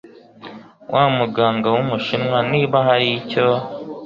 wamuganga wumushinwa niba hari icyo